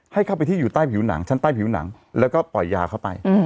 ให้เข้าไปที่อยู่ใต้ผิวหนังชั้นใต้ผิวหนังแล้วก็ปล่อยยาเข้าไป